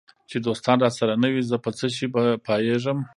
چي دوستان راسره نه وي زه په څشي به پایېږم